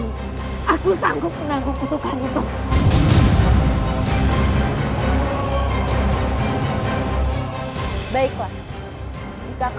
bahkan suamimu akan terbebas dari kutukan